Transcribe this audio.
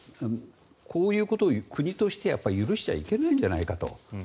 こういうことを国として許してはいけないんじゃないかと。